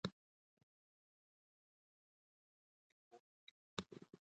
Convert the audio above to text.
It was named after its chairman, the philosopher John Dewey.